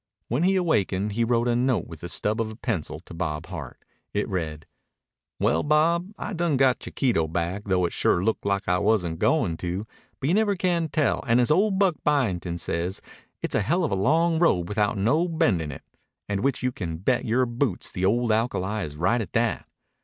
When he awakened he wrote a note with the stub of a pencil to Bob Hart. It read: Well, Bob, I done got Chiquito back though it sure looked like I wasn't going to but you never can tell and as old Buck Byington says its a hell of a long road without no bend in it and which you can bet your boots the old alkali is right at that.